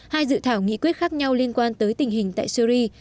hai dự thảo nghị quyết khác nhau liên quan tới tình hình tại syri